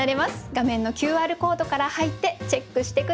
画面のＱＲコードから入ってチェックして下さい。